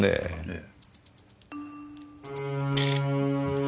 ええ。